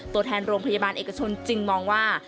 ตัวแทนโรงพยาบาลเอกชนจึงมองว่า